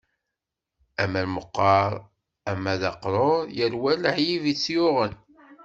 Ama meqqer ama d aqrur, yal wa lɛib i t-yuɣen.